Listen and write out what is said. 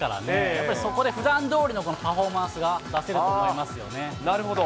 やっぱりそこでふだんどおりのパフォーマンスが出せると思いますなるほど。